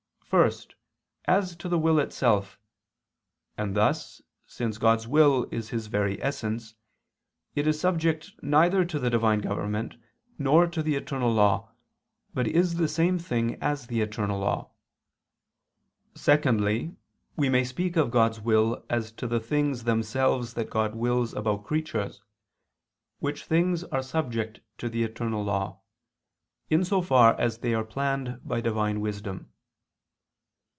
First, as to the will itself: and thus, since God's will is His very Essence, it is subject neither to the Divine government, nor to the eternal law, but is the same thing as the eternal law. Secondly, we may speak of God's will, as to the things themselves that God wills about creatures; which things are subject to the eternal law, in so far as they are planned by Divine Wisdom.